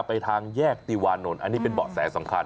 ไปทางแยกติวานนท์อันนี้เป็นเบาะแสสำคัญ